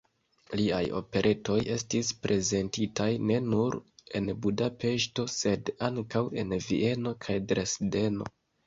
Liaj operetoj estis prezentitaj ne nur en Budapeŝto, sed ankaŭ en Vieno kaj Dresdeno.